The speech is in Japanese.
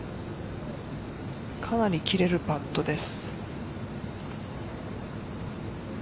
かなり切れるパットです。